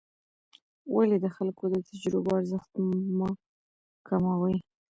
ولې د خلکو د تجربو ارزښت مه کم کوې؟